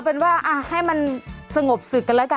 เปิดไฟขอทางออกมาแล้วอ่ะ